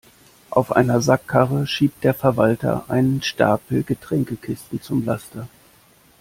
Auf einer Sackkarre schiebt der Verwalter einen Stapel Getränkekisten zum Laster.